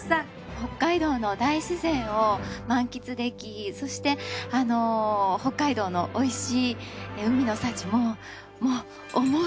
北海道の大自然を満喫できそして北海道のおいしい海の幸ももう思う